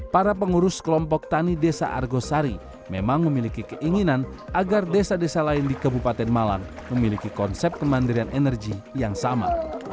para pengurus kelompok tani desa argosari memang memiliki keinginan agar desa desa lain di kabupaten malang memiliki konsep kemandirian energi yang sama